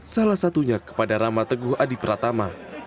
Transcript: salah satunya kepada rama teguh adi pratama